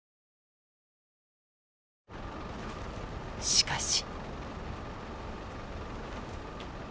しかし。